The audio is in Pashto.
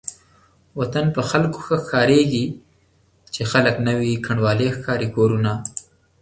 وطن په خلکو ښه ښکاريږي چې خلک نه وي کنډوالې ښکاري کورونه